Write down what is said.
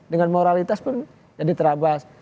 dengan moralitas pun jadi terabas